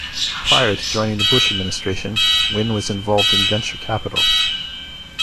Prior to joining the Bush Administration, Wynne was involved in venture capital.